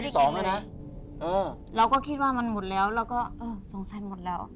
ที่สองนะเราก็คิดว่ามันหมดแล้วแล้วก็สงสัยหมดแล้ว